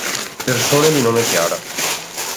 Persone di nome Chiara